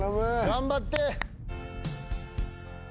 頑張って。